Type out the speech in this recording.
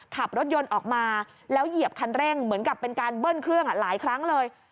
ขับรถยนต์ออกมาแล้วเหยียบคันเร่งเหมือนกับเป็นการเบิ้ลเครื่องหลายครั้งเลย